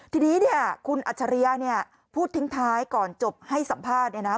ทีนี้คุณอาชริยะพูดทิ้งท้ายก่อนจบให้สัมภาษณ์นะ